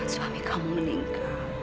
suami kamu meninggal